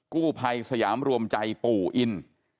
กู้ภัยสยามรวมใจปู่อิน